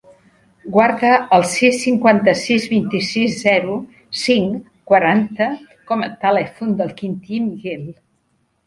Guarda el sis, cinquanta-sis, vint-i-sis, zero, cinc, quaranta com a telèfon del Quintí Miguel.